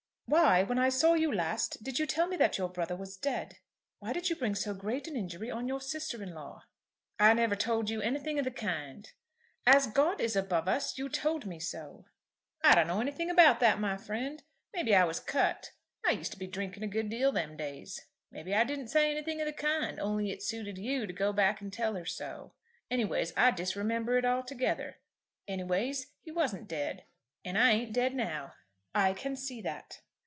Why, when I saw you last, did you tell me that your brother was dead? Why did you bring so great an injury on your sister in law?" "I never told you anything of the kind." "As God is above us you told me so." "I don't know anything about that, my friend. Maybe I was cut. I used to be drinking a good deal them days. Maybe I didn't say anything of the kind, only it suited you to go back and tell her so. Anyways I disremember it altogether. Anyways he wasn't dead. And I ain't dead now." "I can see that."